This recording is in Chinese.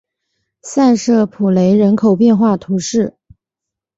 塞舍普雷人口变化图示